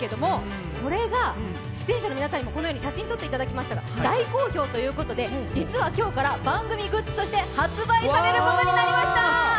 これが出演者の皆さんに、このように写真もあるんですけど大好評ということで、実は今日から番組グッズとして発売されることになりました。